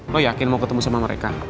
lo yakin mau ketemu sama mereka